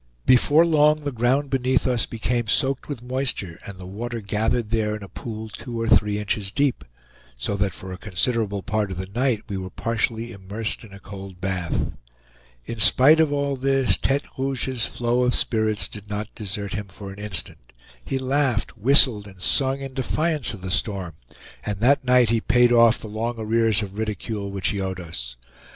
Before long the ground beneath us became soaked with moisture, and the water gathered there in a pool two or three inches deep; so that for a considerable part of the night we were partially immersed in a cold bath. In spite of all this, Tete Rouge's flow of spirits did not desert him for an instant, he laughed, whistled, and sung in defiance of the storm, and that night he paid off the long arrears of ridicule which he owed us.